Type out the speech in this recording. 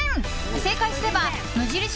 正解すれば無印